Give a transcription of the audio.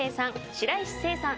白石聖さん。